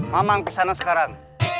mamang kesana sekarang